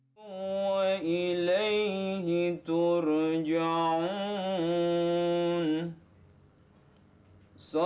sampai jumpa di video selanjutnya